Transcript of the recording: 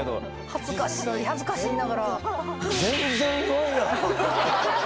「恥ずかしい恥ずかしい」言いながら。